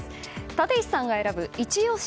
立石さんが選ぶイチ推し